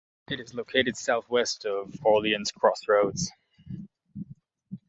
It is located southwest of Orleans Cross Roads.